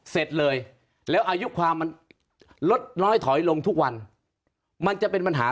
เสร็จเลยแล้วอายุความมันลดน้อยถอยลงทุกวันมันจะเป็นปัญหา